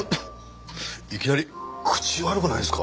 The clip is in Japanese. いきなり口悪くないっすか？